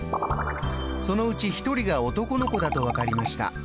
そのうち１人が男の子だと分かりました。